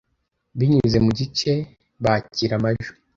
Binyuze mu gice bakira amajwi